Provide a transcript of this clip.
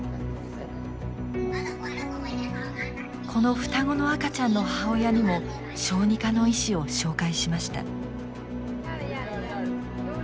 この双子の赤ちゃんの母親にも小児科の医師を紹介しました。